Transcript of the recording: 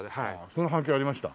その反響ありました？